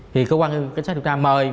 thì cơ quan cảnh sát điều tra mời